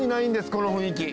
この雰囲気。